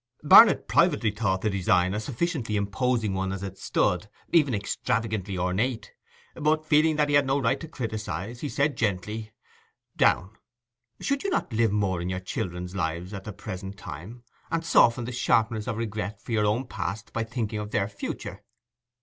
Barnet privately thought the design a sufficiently imposing one as it stood, even extravagantly ornate; but, feeling that he had no right to criticize, he said gently, 'Downe, should you not live more in your children's lives at the present time, and soften the sharpness of regret for your own past by thinking of their future?